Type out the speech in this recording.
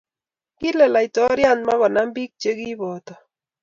kile lautoriat mokonam biik che kiboto.